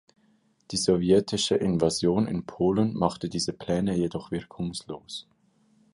Die sowjetische Invasion in Polen machte diese Pläne jedoch wirkungslos.